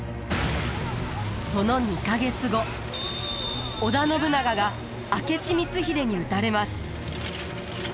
その２か月後織田信長が明智光秀に討たれます。